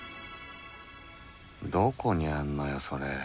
どこにあんのよそれ。